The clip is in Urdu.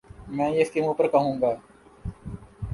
میں یہ اسکے منہ پر کہوں گا